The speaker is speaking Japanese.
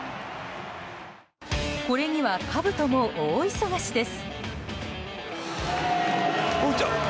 これには、かぶとも大忙しです。